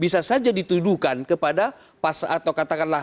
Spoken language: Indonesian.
bisa saja dituduhkan kepada pas atau katakanlah